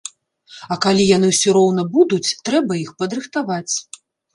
А калі яны ўсё роўна будуць, трэба іх падрыхтаваць.